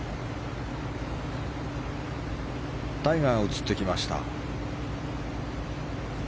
タイガーが映ってきました。